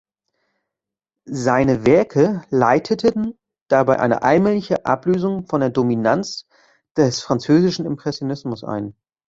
Seine Werke leiteten dabei eine allmähliche Ablösung von der Dominanz des französischen Impressionismus ein.